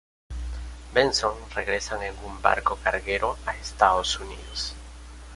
Benson regresan en un barco carguero a Estados Unidos.